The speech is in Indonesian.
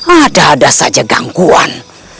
ada ada saja gangguan